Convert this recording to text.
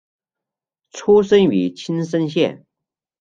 出身于青森县。